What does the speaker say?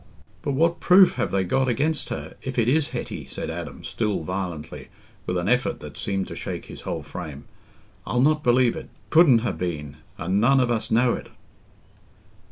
"But what proof have they got against her, if it is Hetty?" said Adam, still violently, with an effort that seemed to shake his whole frame. "I'll not believe it. It couldn't ha' been, and none of us know it."